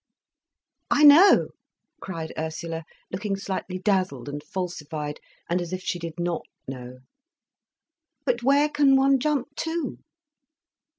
"I know!" cried Ursula, looking slightly dazzled and falsified, and as if she did not know. "But where can one jump to?"